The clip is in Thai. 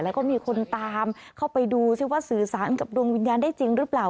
แล้วก็มีคนตามเข้าไปดูซิว่าสื่อสารกับดวงวิญญาณได้จริงหรือเปล่า